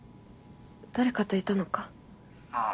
誰かといたのかあぁ